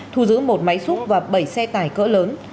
thu giữ một máy xúc và bảy xe tải cỡ lớn